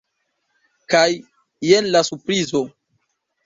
Kaj jen la surprizo!